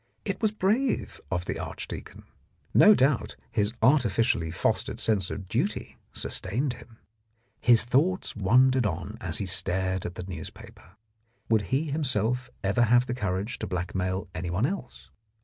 It was brave of the arch The Blackmailer of Park Lane deacon ; no doubt his artificially fostered sense of duty sustained him. His thoughts wandered on as he stared at the newspaper. Would he himself ever have the courage to blackmail anyone else